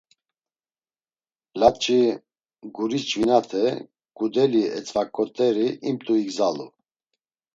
Laç̌i, guri ç̌vinate ǩudeli etzakot̆eri imt̆u igzalu.